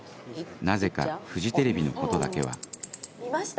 なぜかフジテレビのことだけは見ました？